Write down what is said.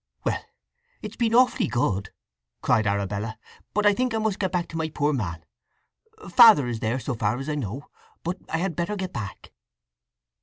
"Well—it's been awfully good," cried Arabella. "But I think I must get back to my poor man. Father is there, so far as I know; but I had better get back."